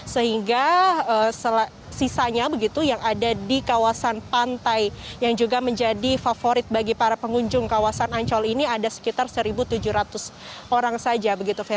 sehingga sisanya begitu yang ada di kawasan pantai yang juga menjadi favorit bagi para pengunjung kawasan ancol ini ada sekitar satu tujuh ratus orang saja